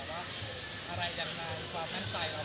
ในการซึ้งเสียงนิยมชาวบันดาลในการไปร่างกาย